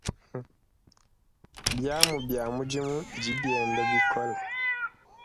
Biamu bia mudimu bidi bienda bikola.